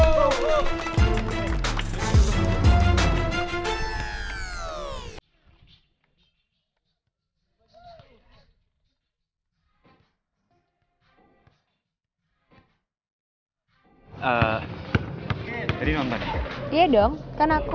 mau ikutan gak